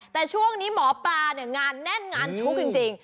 แต่ช่วงนี้หมอปลาเนี่ยงานแน่นงานชุกจริง